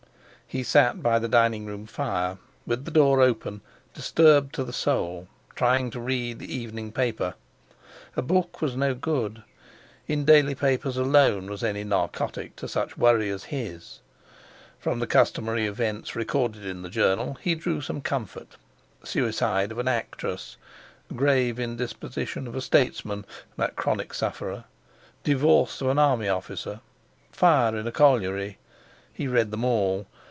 He sat by the dining room fire, with the door open, disturbed to the soul, trying to read the evening paper. A book was no good—in daily papers alone was any narcotic to such worry as his. From the customary events recorded in the journal he drew some comfort. "Suicide of an actress"—"Grave indisposition of a Statesman" (that chronic sufferer)—"Divorce of an army officer"—"Fire in a colliery"—he read them all.